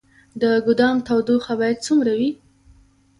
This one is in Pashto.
د ګدام تودوخه باید څومره وي؟